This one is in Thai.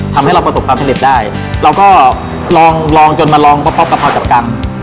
ทำให้เราประสบความสำเร็จได้เราก็ลองลองจนมาลองพร้อมกับกะเพราจับกัน